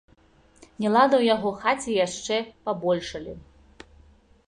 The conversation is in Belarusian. Нелады ў яго хаце яшчэ пабольшалі.